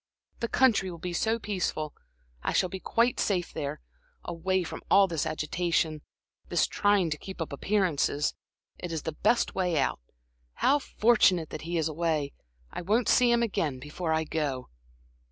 "The country will be so peaceful. I shall be quite safe there, away from all this agitation, this trying to keep up appearances. It is the best way out. How fortunate that he is away! I won't see him again before I go."